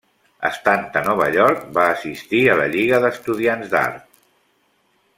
Estant a Nova York, va assistir a la Lliga d'Estudiants d'Art.